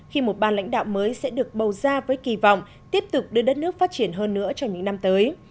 khi một ban lãnh đạo mới sẽ được bầu ra với kỳ vọng tiếp tục đưa đất nước phát triển hơn nữa trong những năm tới